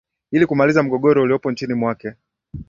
ili kumaliza mgogoro uliopo nchini mwake